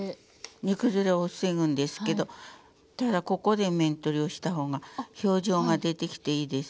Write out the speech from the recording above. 煮崩れを防ぐんですけどただここで面取りをした方が表情が出てきていいですよほら。